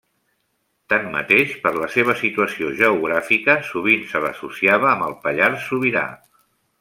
Tanmateix, per la seva situació geogràfica, sovint se l'associava amb el Pallars Sobirà.